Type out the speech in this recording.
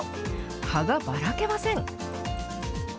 葉がばらけません。